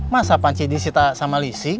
masa panci disita sama lising